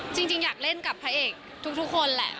จริงอยากเล่นกับพระเอกทุกคนแหละ